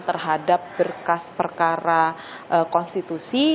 terhadap berkas perkara konstitusi